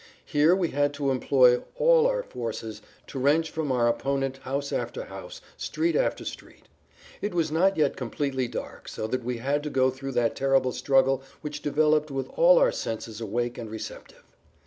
Here we had to employ all our forces to wrench from our opponent house after house, street after street. It was not yet[Pg 14] completely dark so that we had to go through that terrible struggle which developed with all our senses awake and receptive.